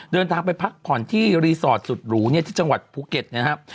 เดินทางไปพักผ่อนที่รีสอร์ทสุดหรูเนี่ยที่จังหวัดภูเก็ตนะครับ